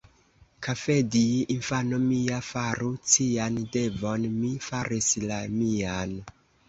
Kafedji, infano mia, faru cian devon: mi faris la mian.